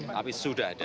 tapi sudah ada